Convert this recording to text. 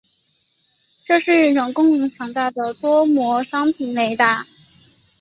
这是一种功能强大的多模双频雷达。